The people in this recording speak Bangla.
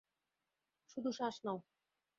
শুধু শ্বাস নাও।